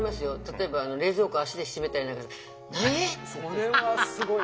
それはすごい。